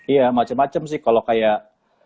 iya macem macem sih kalau kayak